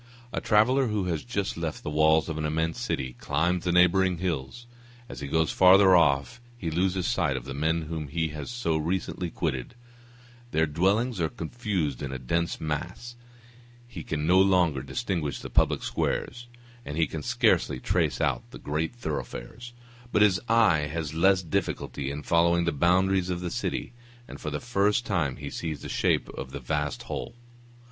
A traveller who has just left the walls of an immense city, climbs the neighboring hill; as he goes father off he loses sight of the men whom he has so recently quitted; their dwellings are confused in a dense mass; he can no longer distinguish the public squares, and he can scarcely trace out the great thoroughfares; but his eye has less difficulty in following the boundaries of the city, and for the first time he sees the shape of the vast whole.